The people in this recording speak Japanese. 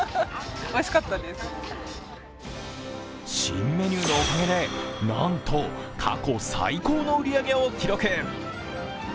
新メニューのおかげでなんと過去最高の売り上げを記録。